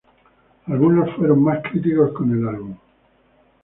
Algunos fueron más críticos con el álbum.